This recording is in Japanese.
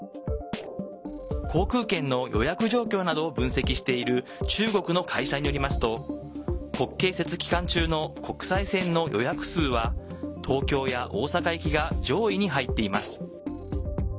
航空券の予約状況などを分析している中国の会社によりますと国慶節期間中の国際線の予約数は東京や大阪行きが上位に入っています。